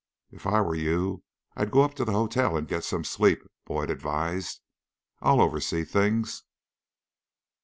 "' "If I were you, I'd go up to the hotel and get some sleep," Boyd advised. "I'll oversee things."